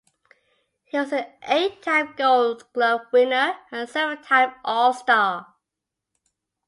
He was an eight-time Gold Glove winner and seven-time All-Star.